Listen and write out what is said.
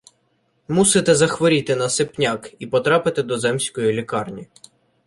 Мусите захворіти на сипняк і потрапити до земської лікарні.